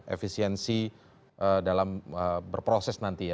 efisiensi dalam berproses nanti ya